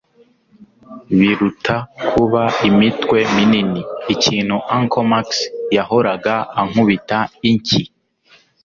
Biruta kuba imitwe minini, ikintu Uncle Max yahoraga ankubita inshyi